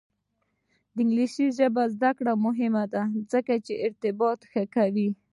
د انګلیسي ژبې زده کړه مهمه ده ځکه چې ارتباط ښه کوي.